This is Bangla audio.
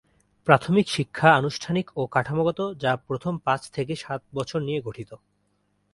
প্রাথমিক শিক্ষা আনুষ্ঠানিক ও কাঠামোগত যা প্রথম পাঁচ থেকে সাত বছর নিয়ে গঠিত।